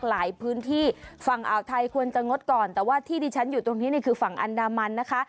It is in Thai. หลายพื้นที่ฝั่งอ่าวไทยควรจะงดก่อนแต่ว่าที่ดิฉันอยู่ตรงนี้เนี่ยคือฝั่งอันดามันนะคะ